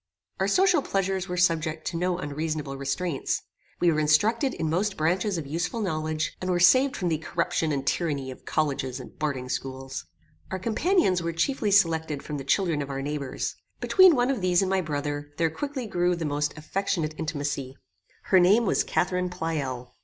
Our social pleasures were subject to no unreasonable restraints. We were instructed in most branches of useful knowledge, and were saved from the corruption and tyranny of colleges and boarding schools. Our companions were chiefly selected from the children of our neighbours. Between one of these and my brother, there quickly grew the most affectionate intimacy. Her name was Catharine Pleyel.